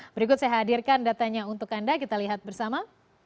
berikut saya hadirkan datanya untuk anda kita lihat bersama